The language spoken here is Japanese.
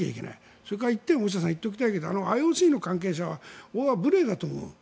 それから１点言っておきたいけどＩＯＣの関係者は僕は無礼だと思う。